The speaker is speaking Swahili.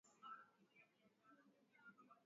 sijui nje ya afrika au ndani sijui